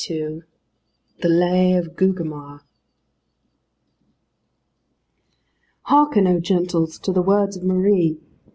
II THE LAY OF GUGEMAR Hearken, oh gentles, to the words of Marie.